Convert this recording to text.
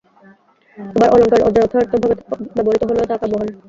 আবার, অলঙ্কার অযথার্থভাবে ব্যবহূত হলেও তা কাব্য হয় না।